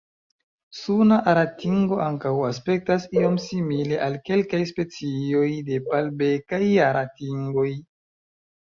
Suna aratingo ankaŭ aspektas iom simile al kelkaj specioj de palbekaj aratingoj.